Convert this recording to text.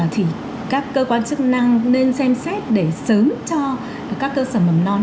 thì các cơ quan chức năng nên xem xét để sớm cho các cơ sở mầm non